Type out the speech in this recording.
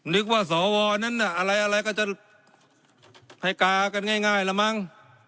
นึกว่าสวนั้นอะไรก็จะให้กากันง่ายละมั้ง